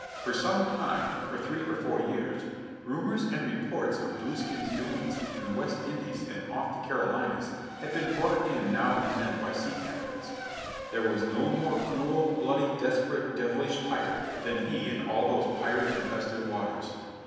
For some time for three or four years rumors and reports of Blueskin's doings in the West Indies and off the Carolinas had been brought in now and then by sea captains. There was no more cruel, bloody, desperate, devilish pirate than he in all those pirate infested waters.